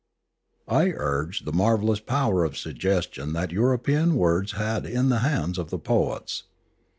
I urged the marvellous power of suggestion that European words had in the hands of the poets.